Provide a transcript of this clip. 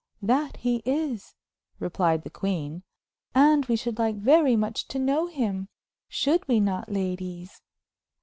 "That he is," replied the queen; "and we should like very much to know him. Should we not, ladies?"